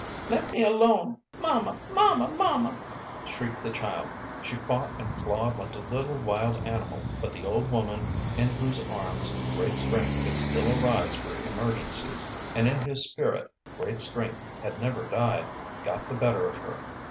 "Let me alone! Mamma, mamma, mamma!" shrieked the child. She fought and clawed like a little, wild animal, but the old woman, in whose arms great strength could still arise for emergencies, and in whose spirit great strength had never died, got the better of her.